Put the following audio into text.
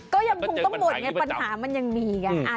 ก็ยังพวงต้องหมดไงปัญหามันยังมีกัน